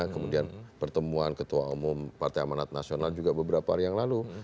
kemudian pertemuan ketua umum partai amanat nasional juga beberapa hari yang lalu